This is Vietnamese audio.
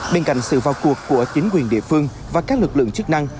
bên cạnh sự vào cuộc của chính quyền địa phương và các lực lượng chức năng